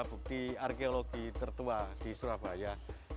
bukti arkeologi tertua di surabaya